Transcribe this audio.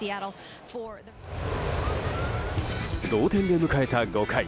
同点で迎えた５回。